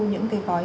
những cái gói